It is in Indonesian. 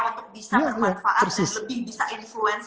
untuk bisa bermanfaat dan lebih bisa influence